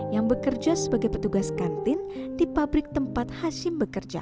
yang bekerja sebagai petugas kantin di pabrik tempat hashim bekerja